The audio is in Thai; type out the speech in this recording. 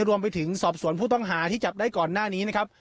รวมไปถึงสอบสวนผู้ต้องหาที่จับได้ก่อนหน้านี้นะครับ